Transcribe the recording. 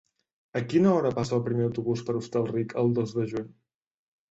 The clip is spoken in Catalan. A quina hora passa el primer autobús per Hostalric el dos de juny?